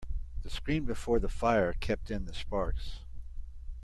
The screen before the fire kept in the sparks.